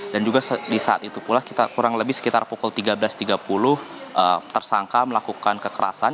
juga di saat itu pula kurang lebih sekitar pukul tiga belas tiga puluh tersangka melakukan kekerasan